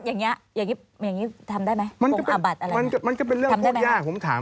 อย่างนี้ทำได้ไหมมันก็เป็นเรื่องพูดยาก